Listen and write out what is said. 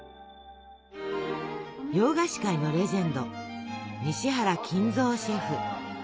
洋菓子界のレジェンド西原金藏シェフ。